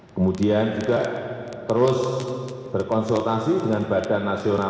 kemudian juga terus berkonsultasi dengan badan nasional